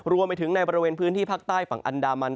รวมไปถึงในบริเวณพื้นที่ภาคใต้ฝั่งอันดามัน